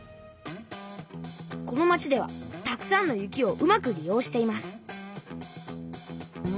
この町ではたくさんの雪をうまく利用しています